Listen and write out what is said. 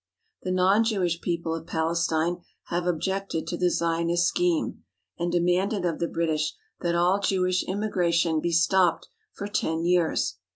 The non Jewish people of Palestine have objected to the Zionist scheme, and demanded of the British that all Jewish immigration be stopped for ten years.